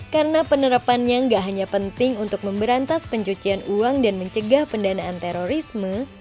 karena penerapannya nggak hanya penting untuk memberantas pencucian uang dan mencegah pendanaan terorisme